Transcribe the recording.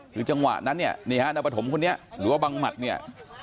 คือจังหวะนั้นเนี่ยนี่ฮะนายปฐมคนนี้หรือว่าบังหมัดเนี่ย